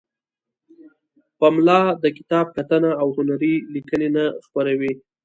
پملا د کتاب کتنه او هنری لیکنې نه خپروي.